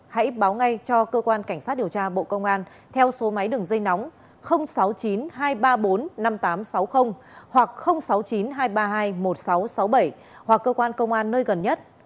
hãy báo ngay cho cơ quan cảnh sát điều tra bộ công an theo số máy đường dây nóng sáu mươi chín hai trăm ba mươi bốn năm nghìn tám trăm sáu mươi hoặc sáu mươi chín hai trăm ba mươi hai một nghìn sáu trăm sáu mươi bảy hoặc cơ quan công an nơi gần nhất